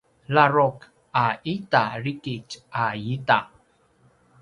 ladruq a ita drikitj a ita